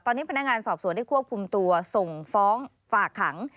ตอนนี้พนักงานสอบสวนได้ควบคุมตัวส่งฟ้องฝากขัง